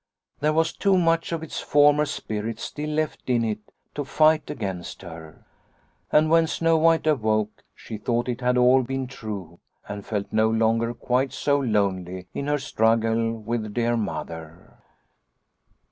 There was too much of its former spirit still left in it to fight against her. " And when Snow White awoke she thought it had all been true and felt no longer quite so lonely in her struggle with dear Mother."